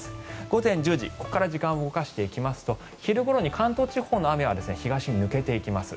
午前１０時、ここから時間を動かしていきますと昼ごろに関東地方の雨は東に抜けていきます。